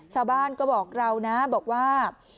ชาวบ้านก็บอกเรานะบอกว่า